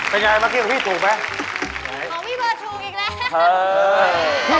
เป็นอย่างไรบางทีของพี่ถูกไหม